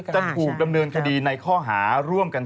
จะถูกดำเนินคดีในข้อหาร่วมกัน